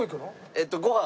えっとご飯。